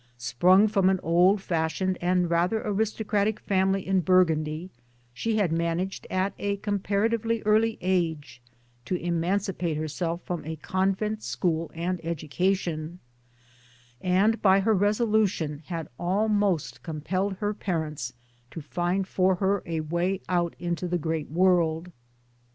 Sprung from an old fashioned and rather aristocratic family in Burgundy she had managed at a compara tively early age to emancipate herself from a convent school and education, and by her resolution had almost compelled her parents to find for her a way out into the great world.